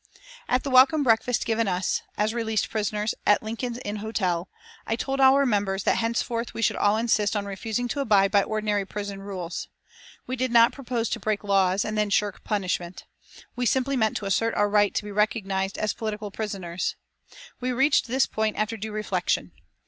At the welcome breakfast given us, as released prisoners, at Lincoln's Inn Hotel, I told our members that henceforth we should all insist on refusing to abide by ordinary prison rules. We did not propose to break laws and then shirk punishment. We simply meant to assert our right to be recognised as political prisoners. We reached this point after due reflection.